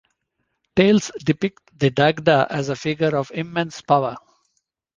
Tales depict the Dagda as a figure of immense power.